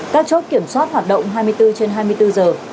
các chốt kiểm soát hoạt động hai mươi bốn trên hai mươi bốn giờ